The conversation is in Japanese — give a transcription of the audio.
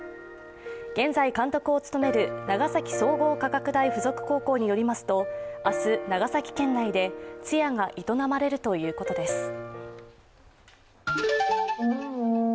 現在監督を務める長崎総合科学大学附属高校によりますと明日、長崎県内で通夜が営まれるということです。